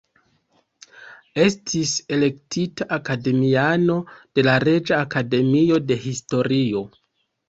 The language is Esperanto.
Estis elektita akademiano de la Reĝa Akademio de Historio.